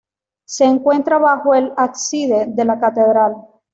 Se encuentra bajo el ábside de la catedral.